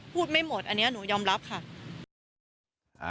ไม่หมดอันนี้หนูยอมรับค่ะ